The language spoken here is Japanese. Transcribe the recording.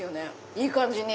いい感じに。